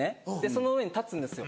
その上に立つんですよ。